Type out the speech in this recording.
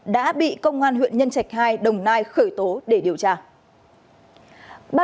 đã bị công an huyện nhân trạch hai đồng nai khởi tố để điều tra